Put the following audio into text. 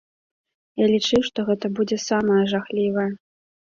Я лічыў, што гэта будзе самае жахлівае.